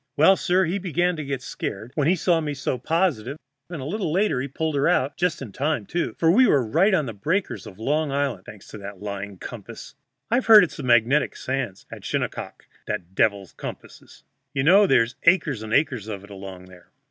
"Well, sir, he began to get scared when he saw me so positive, and a little later he pulled her out just in time, too, for we were right on the breakers of Long Island, thanks to that lying compass. I've heard it's the magnetic sand at Shinnecock that devils compasses. You know there's acres and acres of it along there."